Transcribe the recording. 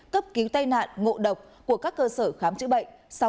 cấp cứu tai nạn ngộ độc của các cơ sở khám chữa bệnh